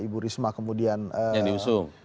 ibu risma kemudian yang diusung